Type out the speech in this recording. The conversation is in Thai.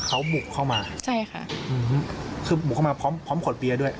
เขาบุกเข้ามาใช่ค่ะอืมคือบุกเข้ามาพร้อมพร้อมขวดเบียร์ด้วย